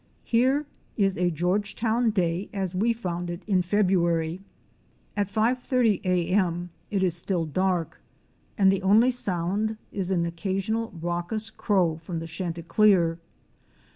Here is a Georgetown day as we found it in February. At 5.30 a.m. it is still dark and the only sound is an occasional raucous crow from chanticleer.